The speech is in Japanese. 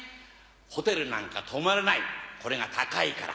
ホテルなんか泊まれないこれが高いから。